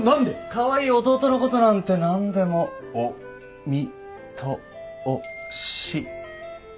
カワイイ弟のことなんて何でもお・み・と・お・し。